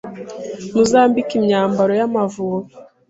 muzambike imyambaro y'Amavubi